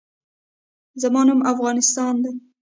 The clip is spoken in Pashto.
زما نوم افغانستان دی